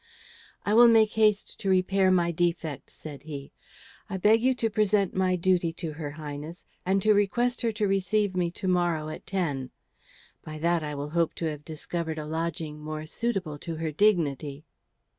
"I shall make haste to repair my defect," said he. "I beg you to present my duty to her Highness and to request her to receive me to morrow at ten. By that, I will hope to have discovered a lodging more suitable to her dignity."